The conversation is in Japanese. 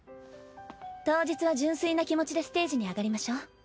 当日は純粋な気持ちでステージに上がりましょう。